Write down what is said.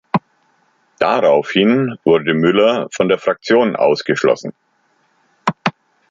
Daraufhin wurde Müller von der Fraktion ausgeschlossen.